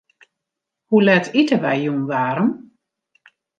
Hoe let ite wy jûn waarm?